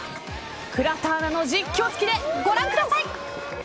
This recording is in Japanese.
倉田アナの実況付きでご覧ください。